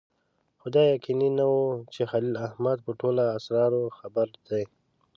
خو دا یقیني نه وه چې خلیل احمد په ټولو اسرارو خبر دی.